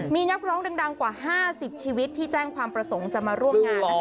มีนักร้องดังกว่า๕๐ชีวิตที่แจ้งความประสงค์จะมาร่วมงานนะคะ